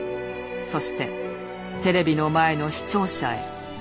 そしてテレビの前の視聴者へ。